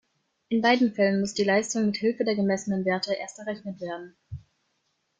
In beiden Fällen muss die Leistung mit Hilfe der gemessenen Werte erst errechnet werden.